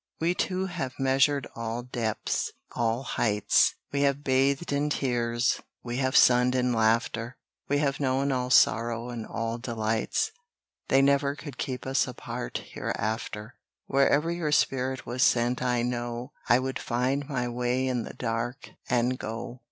We two have measured all depths, all heights; We have bathed in tears, we have sunned in laughter; We have known all sorrow, and all delights, They never could keep us apart hereafter. Wherever your spirit was sent I know, I would find my way in the dark, and go.